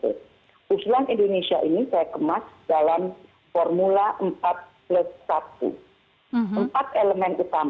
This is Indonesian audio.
pertama adalah pertemuan dengan state councilor doang suci yang telah banyak memakan korban